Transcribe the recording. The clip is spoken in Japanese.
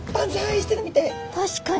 確かに。